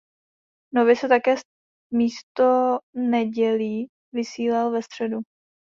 Nově se také místo nedělí vysílal ve středu.